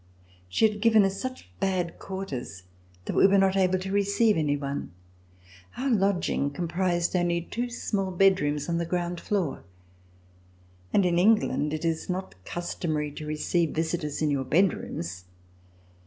She had given us such bad quarters that we were not able to receive any one. Our lodging comprised only two small bed rooms on the ground floor, and in England it is not customary to receive visitors in your bed rooms.